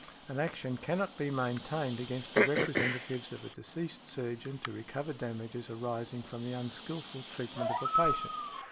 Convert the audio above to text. An action cannot be maintained against the representatives of a deceased surgeon to recover damages arising from the unskilful treatment of a patient.